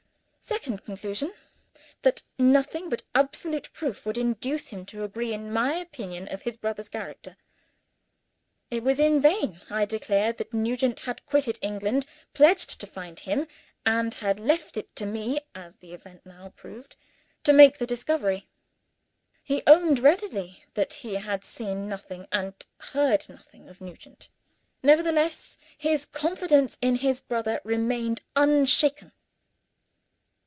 Second conclusion, that nothing but absolute proof would induce him to agree in my unfavorable opinion of his brother's character. It was in vain I declared that Nugent had quitted England pledged to find him, and had left it to me (as the event now proved) to make the discovery. He owned readily that he had seen nothing, and heard nothing, of Nugent. Nevertheless his confidence in his brother remained unshaken.